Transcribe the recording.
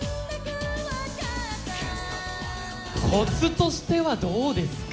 こつとしてはどうですか？